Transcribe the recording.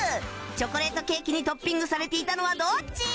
チョコレートケーキにトッピングされていたのはどっち？